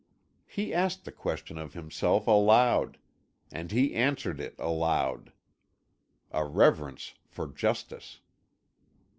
He asked the question of himself aloud, and he answered it aloud: A reverence for justice.